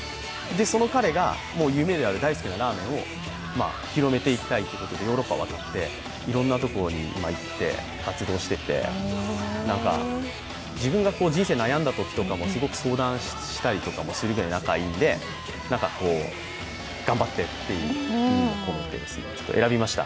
その彼が夢である大好きなラーメンを広めていきたいということでヨーロッパを渡って、いろんなところに今、行って活動していて、自分が人生悩んだときとかもすごく相談したりとかもするぐらい仲がいいので、頑張ってという意味を込めて選びました。